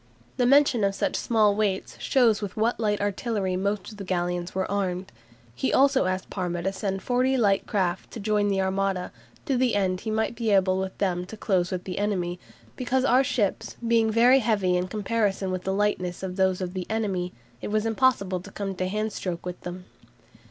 The mention of such small weights shows with what light artillery most of the galleons were armed. He also asked Parma to send forty light craft to join the Armada, "to the end he might be able with them to close with the enemy, because our ships being very heavy in comparison with the lightness of those of the enemy, it was impossible to come to hand stroke with them."